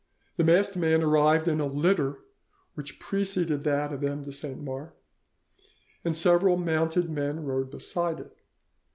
The masked man arrived in a litter which preceded that of M. de Saint Mars, and several mounted men rode beside it.